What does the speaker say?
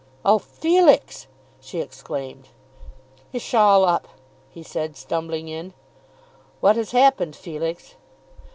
"Oh, Felix!" she exclaimed. "It'sh all up," he said, stumbling in. "What has happened, Felix?"